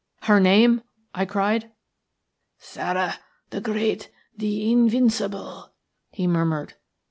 "Her name?" I cried. "Sara, the Great, the Invincible," he murmured.